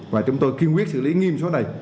và chúng tôi kiên quyết xử lý nghiêm